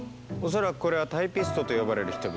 恐らくこれは「タイピスト」と呼ばれる人々だ。